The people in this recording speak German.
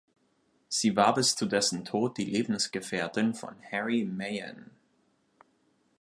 Sie war bis zu dessen Tod die Lebensgefährtin von Harry Meyen.